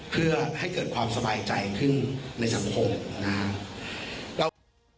เพื่อให้เกิดความสบายใจขึ้นในสังคมนะครับ